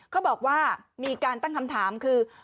เขาบอกว่ามีการตั้งคำถามคือ